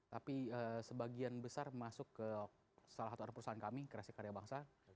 tapi sebagian besar masuk ke salah satu orang perusahaan kami kreasi karya bangsa